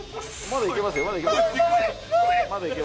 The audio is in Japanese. まだいけます。